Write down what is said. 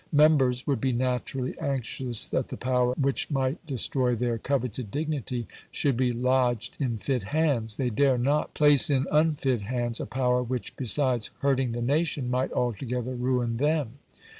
Members would be naturally anxious that the power which might destroy their coveted dignity should be lodged in fit hands. They dare not place in unfit hands a power which, besides hurting the nation, might altogether ruin them.